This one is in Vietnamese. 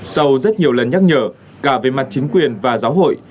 sau rất nhiều lần nhắc nhở cả về mặt chính quyền và giáo hội